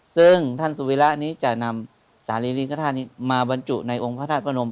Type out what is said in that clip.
ซึ่งท่านสุวิระนี้จะนำสารีริกฐาตุนี้มาบรรจุในองค์พระธาตุพระนม